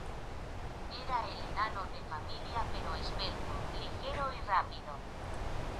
Era el enano de la familia, pero esbelto, ligero y rápido.